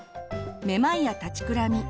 めまいや立ちくらみ。